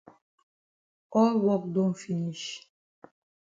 All wok don finish.